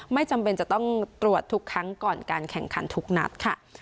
ไม่จำเป็นจะต้องตรวจทุกครั้งก่อนการแข่งขันทุกนัดค่ะ